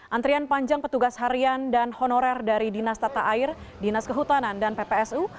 antrian panjang petugas harian dan honorer dari dinas tata air dinas kehutanan dan ppsu